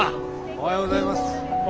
おはようございます。